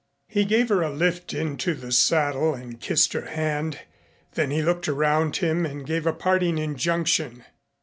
He gave her a lift into the saddle and kissed her hand. Then he looked around him and gave a parting injunction.